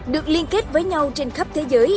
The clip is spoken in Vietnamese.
được liên kết với nhau trên khắp thế giới